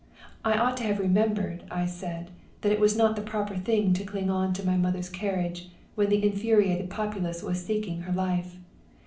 I ought to have remembered, I said, that it was not the proper thing to cling on to my mother's carriage when the infuriated populace was seeking her life.